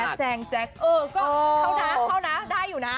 แจงแจ๊คเออก็เข้านะเข้านะได้อยู่นะ